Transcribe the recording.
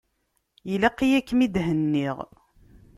Ilaq-yi ad kem-id-henniɣ.